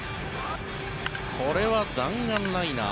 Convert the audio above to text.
これは弾丸ライナー。